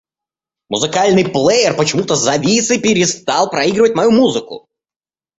Музыкальный плеер почему-то завис и перестал проигрывать мою музыку.